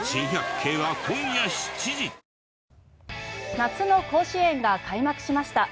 夏の甲子園が開幕しました。